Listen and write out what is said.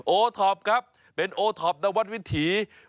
โอท็อปครับเป็นโอท็อปนวัดวิถี